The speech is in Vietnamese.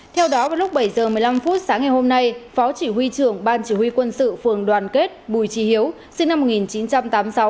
theo đó vào lúc bảy h một mươi năm phút sáng ngày hôm nay phó chỉ huy trưởng ban chỉ huy quân sự phường đoàn kết bùi trí hiếu sinh năm một nghìn chín trăm tám mươi sáu